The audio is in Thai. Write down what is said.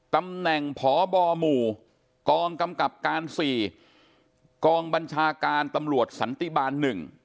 ตำแหน่งพบหมู่กองกำกับการ๔กองบัญชาการตำรวจสันติบาล๑